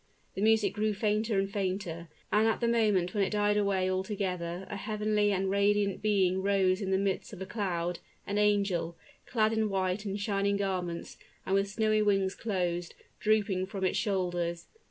The music grew fainter and fainter, and at the moment when it died away altogether a heavenly and radiant being rose in the midst of a cloud, an angel, clad in white and shining garments, and with snowy wings closed, and drooping from its shoulders.